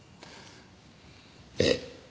ええ。